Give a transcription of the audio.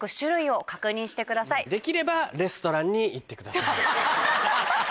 できればレストランに行ってください。